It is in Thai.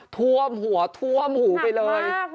ท่วมหัวท่วมหูไปเลย